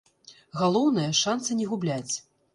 Галоўнае, шанцы не губляць.